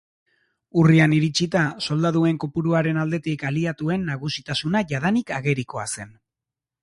Urrian iritsita, soldaduen kopuruaren aldetik aliatuen nagusitasuna jadanik agerikoa zen.